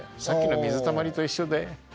さっきの水たまりと一緒で。